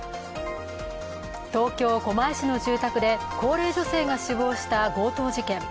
東京・狛江市の住宅で高齢女性が死亡した強盗事件。